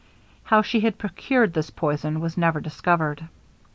How she had procured this poison was never discovered.